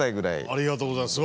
ありがとうございます。